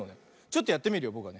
ちょっとやってみるよ。